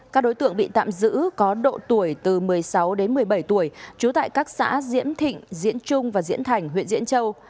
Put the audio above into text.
các đối tượng bị tạm giữ có độ tuổi từ một mươi sáu đến một mươi bảy tuổi trú tại các xã diễm thịnh diễn trung và diễn thành huyện diễn châu